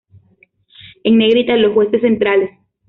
En negritas los jueces centrales.